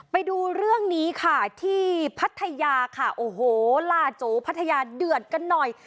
ไปดูเรื่องนี้ค่ะที่พัทยาค่ะโอ้โหล่าโจพัทยาเดือดกันหน่อย